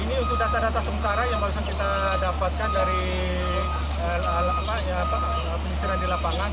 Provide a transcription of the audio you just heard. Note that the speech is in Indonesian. ini untuk data data sementara yang barusan kita dapatkan dari penyisiran di lapangan